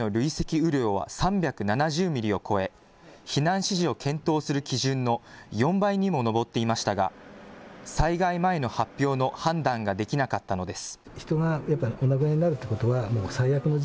雨量は３７０ミリを超え、避難指示を検討する基準の４倍にも上っていましたが災害前の発表の判断ができなかったのです。